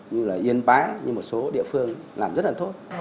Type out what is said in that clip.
như là yên bái nhưng một số địa phương làm rất là tốt